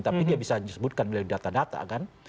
tapi dia bisa disebutkan melalui data data kan